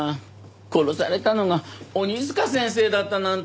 殺されたのが鬼塚先生だったなんて。